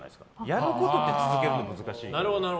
やることって続けるの難しいけど。